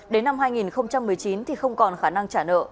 đến năm hai nghìn một mươi chín thì không còn khả năng trả nợ